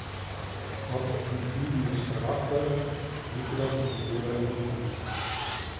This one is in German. Ob und wie diese strafbar ist, hängt jedoch vom jeweiligen Landesrecht ab.